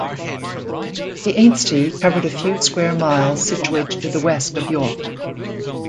The Ainsty covered a few square miles situated to the west of York.